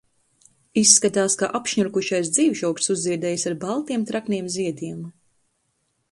Izskatās, ka apšņurkušais dzīvžogs uzziedējis ar baltiem, trekniem ziediem.